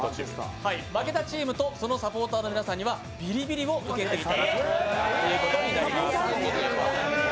負けたチームとそのサポーターの皆さんにはビリビリを受けていただくということになります。